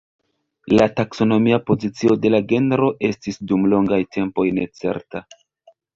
La taksonomia pozicio de la genro estis dum longaj tempoj necerta.